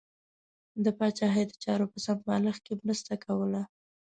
د پاچاهۍ د چارو په سمبالښت کې مرسته کوله.